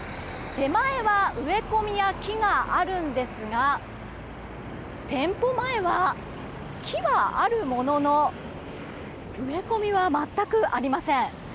手前は植え込みや木があるんですが店舗前は木はあるものの植え込みは全くありません。